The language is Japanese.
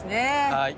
はい。